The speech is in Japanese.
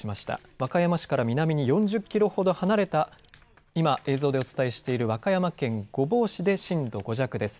和歌山市から南に４０キロほど離れた今、映像でお伝えしている和歌山県御坊市で震度５弱です。